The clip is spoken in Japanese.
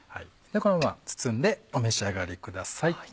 このまま包んでお召し上がりください。